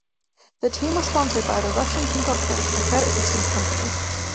The team was sponsored by the Russian Tinkoff Bank, a credit systems company.